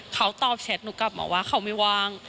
เขาตอบแชทหนูกลับมาว่าเขาไม่ว่าง